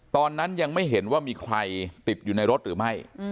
ตอนนั้นยังไม่เห็นว่ามีใครติดอยู่ในรถหรือไม่